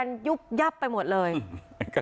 รู้ด้วยนี้ก็ดีกัน